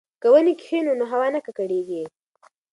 که ونې کښېنوو نو هوا نه ککړیږي.